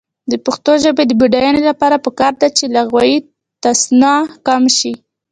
د پښتو ژبې د بډاینې لپاره پکار ده چې لغوي تصنع کم شي.